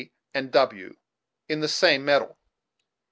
and W, in the same metal.